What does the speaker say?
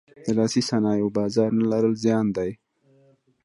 د لاسي صنایعو بازار نه لرل زیان دی.